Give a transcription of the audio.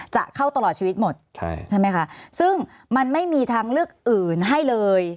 จะเข้าตลอดชีวิตหมดใช่ไหมคะซึ่งมันไม่มีทางเลือกอื่นให้เลย